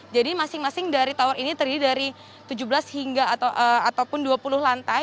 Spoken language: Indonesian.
jadi masing masing dari tower ini terdiri dari tujuh belas hingga ataupun dua puluh lantai